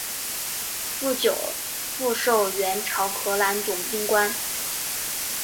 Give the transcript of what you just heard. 不久复授援剿河南总兵官。